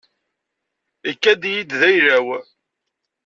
Ikad-iyi-d d ayla-w.